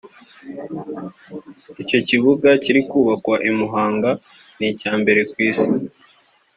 Icyo kibuga kiri kubakwa i Muhanga ni icya mbere ku Isi